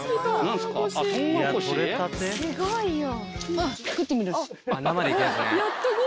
すごいよ。